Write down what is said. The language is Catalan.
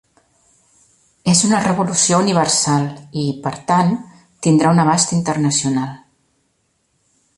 És una revolució universal i, per tant, tindrà un abast internacional.